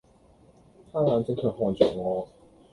他眼睛卻看着我。